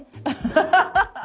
ハハハハ！